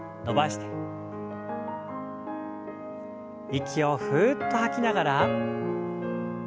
息をふっと吐きながら。